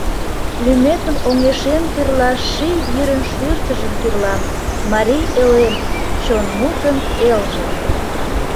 Лӱметым оҥешем тӱрлаш Ший йӱрын шӱртыжым кӱрлам — Марий Элем — чон мутын элже!